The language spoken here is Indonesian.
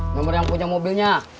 nomor yang punya mobilnya